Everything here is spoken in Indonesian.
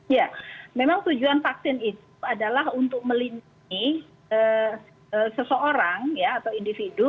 ya memang tujuan vaksin itu adalah untuk melindungi seseorang ya atau individu